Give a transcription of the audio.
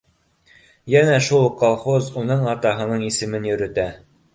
Йәнә шул, колхоз уның атаһының исемен йөрөтә